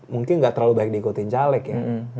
mungkin gak terlalu baik diikuti caleg ya